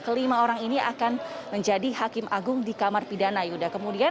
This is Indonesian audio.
kelima orang ini akan menjadi hakim agung di kamar pidana yuda